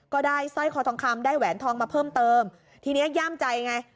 ก็ได้สร้อยคทคได้แหวนทองมาเพิ่มเติมทีนี้ย่ำใจไง